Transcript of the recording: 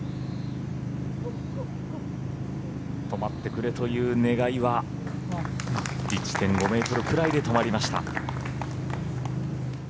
止まってくれという願いは１．５ｍぐらいで止まりました。